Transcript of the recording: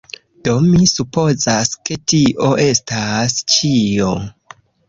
Do, mi supozas ke tio estas ĉio.